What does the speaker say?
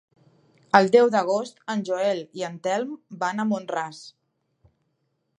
El deu d'agost en Joel i en Telm van a Mont-ras.